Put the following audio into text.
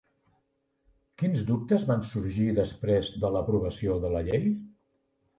Quins dubtes van sorgir després de l'aprovació de la llei?